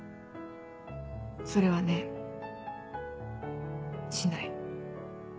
それはねしない。